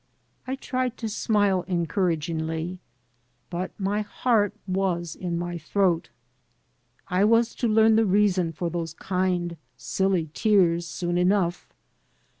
I tried to smile encouragingly, but my heart was in my throat. I was to learn the reason fer those kind, silly tears soon enough.